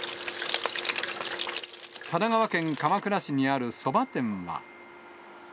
神奈川県鎌倉市にあるそば店は。